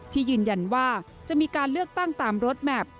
ยืนยันว่าจะมีการเลือกตั้งตามรถแมพ